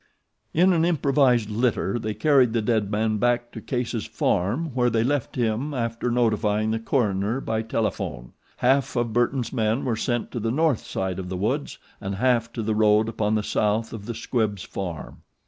In an improvised litter they carried the dead man back to Case's farm where they left him after notifying the coroner by telephone. Half of Burton's men were sent to the north side of the woods and half to the road upon the south of the Squibbs' farm.